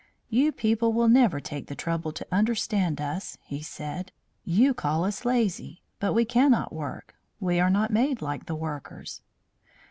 "You people will never take the trouble to understand us," he said. "You call us lazy, but we cannot work. We are not made like the workers."